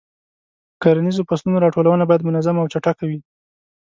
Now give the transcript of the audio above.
د کرنیزو فصلونو راټولونه باید منظمه او چټکه وي.